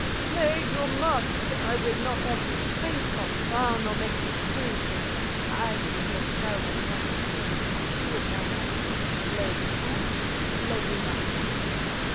"Play you must. I will not have you shrink, or frown, or make the prude. I read your skull that night you came; I see your moyens: play you can; play you must."